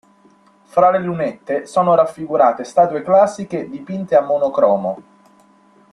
Fra le lunette, sono raffigurate statue classiche dipinte a monocromo.